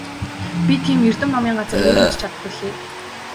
Би тийм эрдэм номын газар юу хийж чадах билээ?